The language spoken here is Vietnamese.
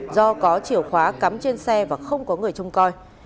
do có chiều khóa cắm trên xe và không có người trông coi